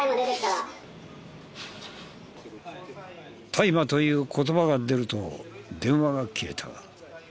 大麻という言葉が出ると電話が切れた。